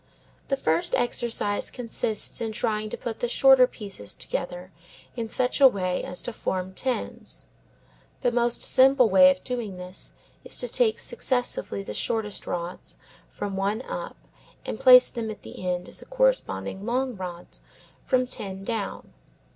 The first exercise consists in trying to put the shorter pieces together in such a way as to form tens. The most simple way of doing this is to take successively the shortest rods, from one up, and place them at the end of the corresponding long rods from nine down.